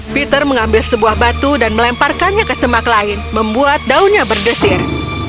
peter mengambil sebuah batu dan melemparkannya ke semak lain membuat daunnya bergeser